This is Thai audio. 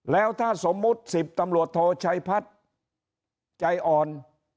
แล้วถ้าสมมุติ๑๐ตำรวจโทชัยพัฒน์ใจอ่อน